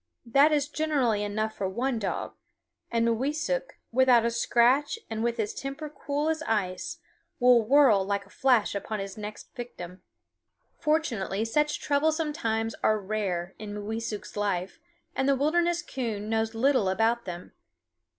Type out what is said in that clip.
That is generally enough for one dog; and Mooweesuk, without a scratch and with his temper cool as ice, will whirl like a flash upon his next victim. Fortunately such troublous times are rare in Mooweesuk's life, and the wilderness coon knows little about them.